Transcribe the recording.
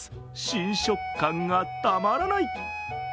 新食感がたまらない。